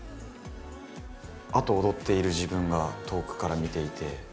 あと踊っている自分が遠くから見ていて。